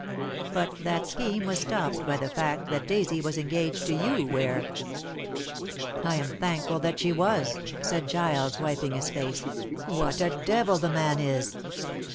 But that scheme was stopped by the fact that Daisy was engaged to you, Ware." "I am thankful that she was," said Giles, wiping his face. "What a devil the man is!"